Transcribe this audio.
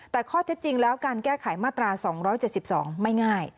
แต่ข้อเท็จจริงแล้วการแก้ไขมาตราสองร้อยเจ็ดสิบสองไม่ง่าย